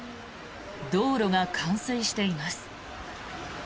道路が冠水しています。